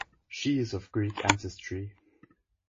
She is of Greek ancestry.